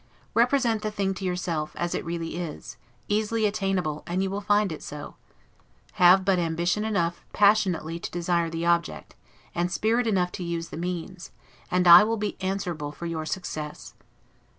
Represent the thing to yourself, as it really is, easily attainable, and you will find it so. Have but ambition enough passionately to desire the object, and spirit enough to use the means, and I will be answerable for your success.